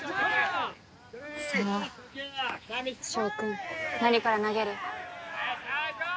さあ翔君何から投げる？